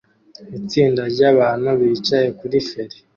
Itsinda ryabantu bicaye kuri feri